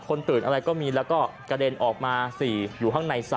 คนตื่นอะไรก็มีแล้วก็กระเด็นออกมา๔อยู่ข้างใน๓